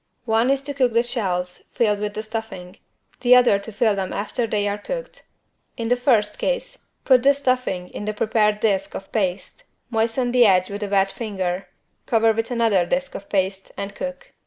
One is to cook the shells filled with the stuffing, the other to fill them after they are cooked. In the first case put the stuffing in the prepared disk of paste, moisten the edge with a wet finger, cover with another disk of paste and cook.